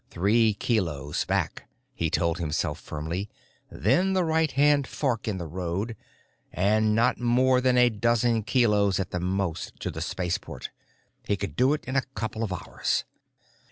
Three kilos back, he told himself firmly, then the right hand fork in the road. And not more than a dozen kilos, at the most, to the spaceport. He could do it in a couple of hours.